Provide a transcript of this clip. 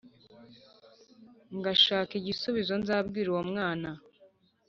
Ngashaka igisubizoNzabwira uwo mwana